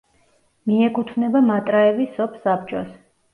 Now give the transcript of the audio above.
მიეკუთვნება მატრაევის სოფსაბჭოს.